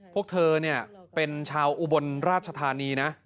พวกเธอเป็นชาวอุบลราชธานีนะ